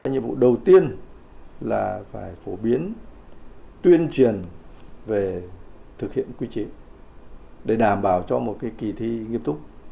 nhiệm vụ đầu tiên là phải phổ biến tuyên truyền về thực hiện quy chế để đảm bảo cho một kỳ thi nghiêm túc